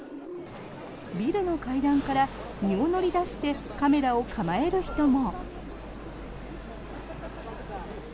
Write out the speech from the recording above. ビルの階段から身を乗り出してカメラを構える人も。